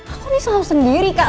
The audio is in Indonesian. aku nih selalu sendiri kak